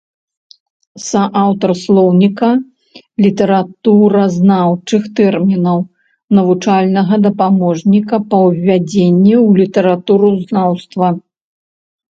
Суаўтар слоўніка літаратуразнаўчых тэрмінаў, навучальнага дапаможніка па ўвядзенні ў літаратуразнаўства.